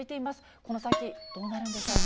この先、どうなるんでしょうか。